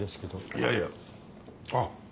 いやいやあっ。